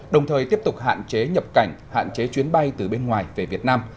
đồng thời tiếp tục hạn chế nhập cảnh hạn chế chuyến bay từ bên ngoài về việt nam